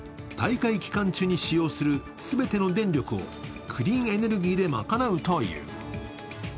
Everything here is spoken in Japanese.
大会期間中に使用する全ての電力をクリーンエネルギーで賄うという。